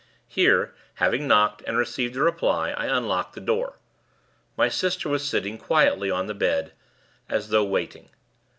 Here, having knocked, and received a reply, I unlocked the door. My sister was sitting, quietly, on the bed; as though waiting.